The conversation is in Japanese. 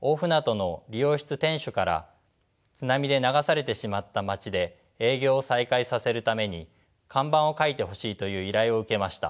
大船渡の理容室店主から津波で流されてしまった街で営業を再開させるために看板を描いてほしいという依頼を受けました。